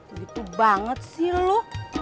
begitu banget sih lo